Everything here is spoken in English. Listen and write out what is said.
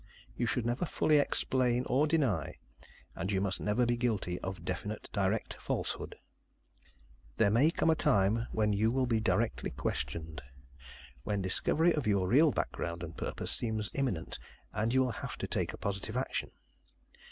You should never fully explain or deny. And you must never be guilty of definite, direct falsehood._ _"There may come a time when you will be directly questioned when discovery of your real background and purpose seems imminent, and you will have to take positive action.